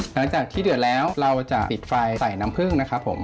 หลังจากที่เดือดแล้วเราจะปิดไฟใส่น้ำผึ้งนะครับผม